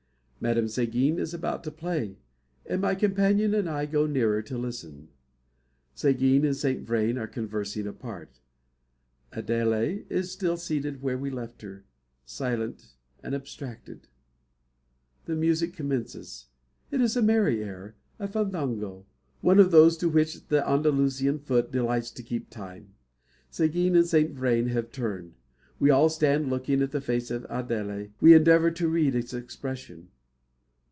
Madame Seguin is about to play, and my companion and I go nearer to listen. Seguin and Saint Vrain are conversing apart. Adele is still seated where we left her, silent and abstracted. The music commences. It is a merry air a fandango: one of those to which the Andalusian foot delights to keep time. Seguin and Saint Vrain have turned. We all stand looking in the face of Adele. We endeavour to read its expression.